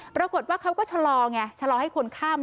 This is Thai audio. ปรากฏว่าเขาก็ชะลอไงชะลอให้คนข้าม